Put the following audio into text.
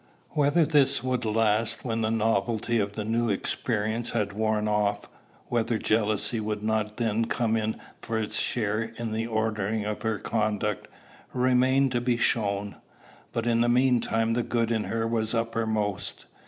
Whether this would last when the novelty of the new experience had worn off, whether jealousy would not then come in for its share in the ordering of her conduct, remained to be shown; but in the mean time the good in her was uppermost.